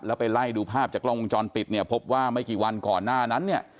แล้วไปไล่ดูภาพจากกล้องวงจรปิดเนี่ยพบว่าไม่กี่วันก่อนหน้านั้นเนี่ย